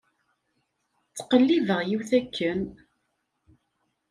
Ttqellibeɣ yiwet akken.